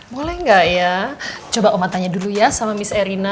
boleh nggak ya coba oma tanya dulu ya sama mis erina